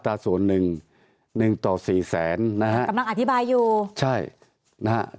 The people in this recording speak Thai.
ตั้งแต่เริ่มมีเรื่องแล้ว